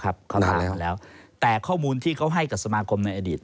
แต่ข้อมูลเท่าไหร่ที่เขาให้กับสมาคมในอดีต